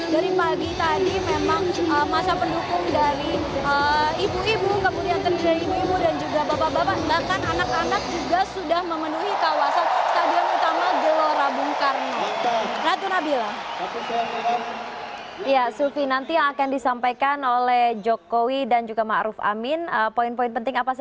dari pagi tadi memang masa pendukung dari ibu ibu kemudian terdiri dari ibu ibu dan juga bapak bapak